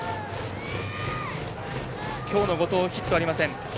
きょうの後藤、ヒットありません。